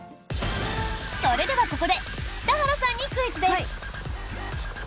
それではここで北原さんにクイズです。